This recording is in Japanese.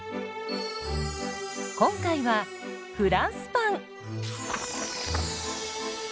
今回はフランスパン。